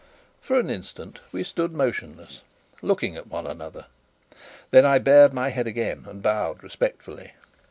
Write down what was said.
For an instant we stood motionless, looking at one another. Then I bared my head again and bowed respectfully.